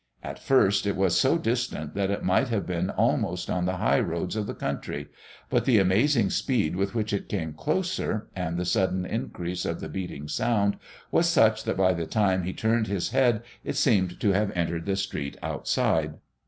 At first it was so distant that it might have been almost on the high roads of the country, but the amazing speed with which it came closer, and the sudden increase of the beating sound, was such, that by the time he turned his head it seemed to have entered the street outside.